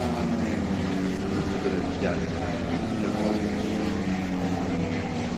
Route de la Viale, Lignerolles